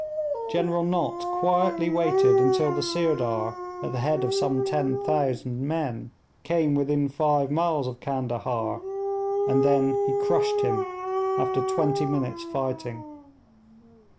General Nott quietly waited until the Sirdar, at the head of some 10,000 men, came within five miles of Candahar, and then he crushed him after twenty minutes' fighting.